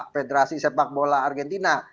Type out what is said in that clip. federasi sepak bola argentina